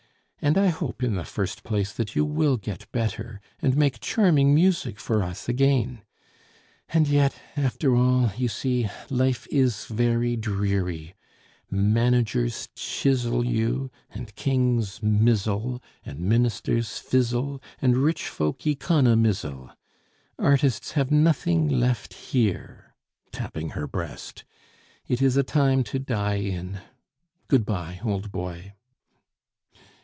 And I hope, in the first place, that you will get better, and make charming music for us again; and yet, after all, you see, life is very dreary managers chisel you, and kings mizzle and ministers fizzle and rich fold economizzle. Artists have nothing left here" (tapping her breast) "it is a time to die in. Good bye, old boy."